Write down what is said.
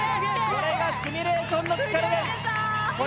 これがシミュレーションの力。